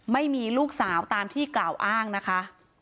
ไม่มีลูกสาวตามที่กล่าวอ้างนะคะ